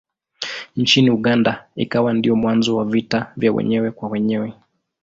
Nchini Uganda ikawa ndiyo mwanzo wa vita vya wenyewe kwa wenyewe.